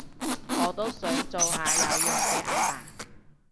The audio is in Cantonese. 我都係想做下有型嘅阿爸